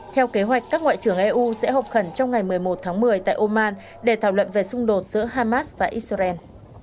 theo kế hoạch các ngoại trưởng eu sẽ hợp khẩn trong ngày một mươi một tháng một mươi tại oman để thảo luận về xung đột giữa hamas và israel